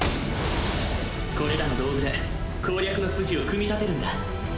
これらの道具で攻略の筋を組み立てるんだ。